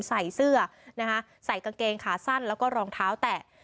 ใส่เสื้อนะคะใส่กางเกงขาสั้นแล้วก็รองเท้าแตะ